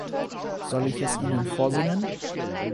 Soll ich es Ihnen vorsingen?